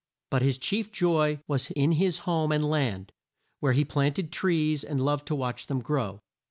But his chief joy was in his home and land, where he planted trees and loved to watch them grow.